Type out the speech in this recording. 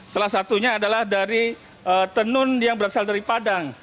salah satunya adalah dari tenun yang berasal dari padang